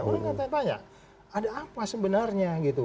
orang gak tanya tanya ada apa sebenarnya gitu